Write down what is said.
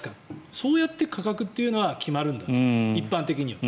そうやって価格というのは決まるんだと、一般的には。